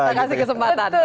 kita kasih kesempatan